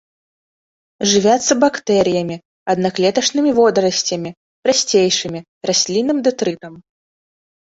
Жывяцца бактэрыямі, аднаклетачнымі водарасцямі, прасцейшымі, раслінным дэтрытам.